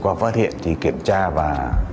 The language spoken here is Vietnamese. qua phát hiện thì kiểm tra và